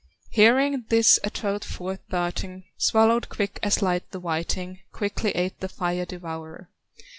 "Hearing this a trout forth darting, Swallowed quick as light the whiting, Quickly ate the fire devourer.